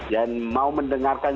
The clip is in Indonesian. dan mau mendengarkan